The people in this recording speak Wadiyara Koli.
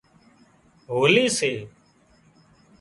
هولِي سي